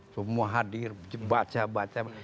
semua hadir baca baca